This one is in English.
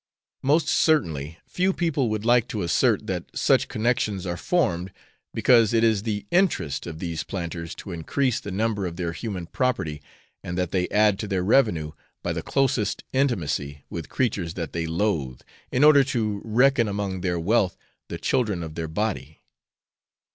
Most certainly, few people would like to assert that such connections are formed because it is the interest of these planters to increase the number of their human property, and that they add to their revenue by the closest intimacy with creatures that they loathe, in order to reckon among their wealth the children of their body.